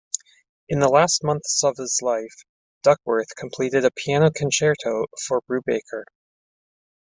In the last months of his life, Duckworth completed a piano concerto for Brubaker.